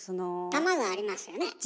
玉がありますよね。